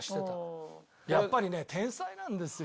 やっぱりね天才なんですよ。